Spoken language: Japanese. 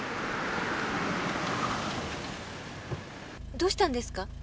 どうしたんですか？